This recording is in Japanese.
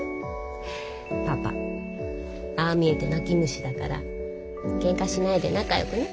パパああ見えて泣き虫だからけんかしないで仲よくね。